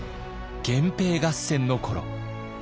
源平合戦の頃。